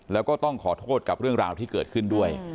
แล้วก็ต้องขอโทษกับเรื่องราวที่เกิดขึ้นด้วย